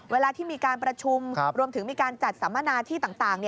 เวลาที่มีการประชุมรวมถึงมีการจัดสัมมนาที่ต่าง